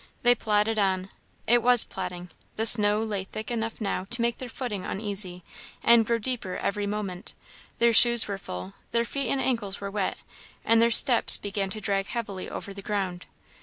They plodded on. It was plodding; the snow lay thick enough now to make their footing uneasy, and grew deeper every moment; their shoes were full; their feet and ankles were wet; and their steps began to drag heavily over the ground.